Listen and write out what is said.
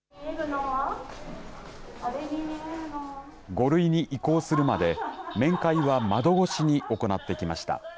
５類に移行するまで面会は窓越しに行ってきました。